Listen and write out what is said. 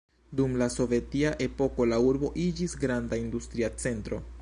Dum la Sovetia epoko la urbo iĝis granda industria centro.